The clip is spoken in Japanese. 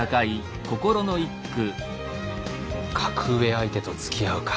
格上相手とつきあうか。